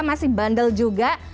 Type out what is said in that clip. masih bandel juga